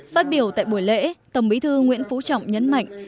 phát biểu tại buổi lễ tổng bí thư nguyễn phú trọng nhấn mạnh